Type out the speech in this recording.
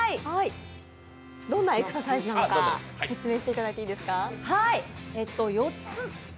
どんなエクササイズなのか、説明していただいていいですか？